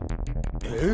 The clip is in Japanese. えっ？